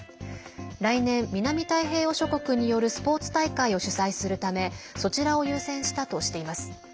来年、南太平洋諸国によるスポーツ大会を主催するためそちらを優先したとしています。